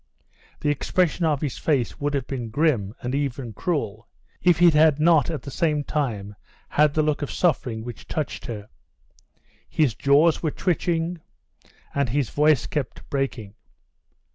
The expression of his face would have been grim, and even cruel, if it had not at the same time had a look of suffering which touched her. His jaws were twitching, and his voice kept breaking.